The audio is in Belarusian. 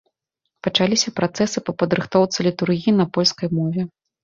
Пачаліся працэсы па падрыхтоўцы літургіі на польскай мове.